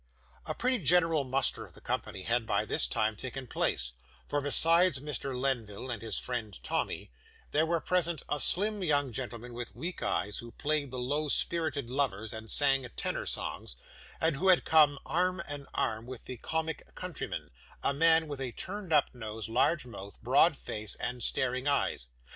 A pretty general muster of the company had by this time taken place; for besides Mr. Lenville and his friend Tommy, there were present, a slim young gentleman with weak eyes, who played the low spirited lovers and sang tenor songs, and who had come arm in arm with the comic countryman a man with a turned up nose, large mouth, broad face, and staring eyes.